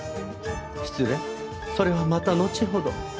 失礼それはまたのちほど。